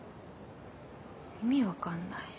意味分かんない。